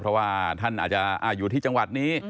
เพราะว่าท่านอาจจะอยู่ที่จังหวัดนี้